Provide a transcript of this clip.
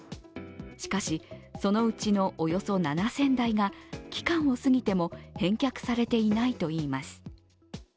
しかし、そのうちのおよそ７０００台が期間を過ぎても返却されていないといいます。